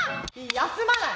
休まない。